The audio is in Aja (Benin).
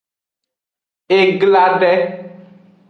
E gla de.